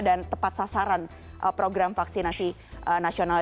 dan tepat sasaran program vaksinasi nasional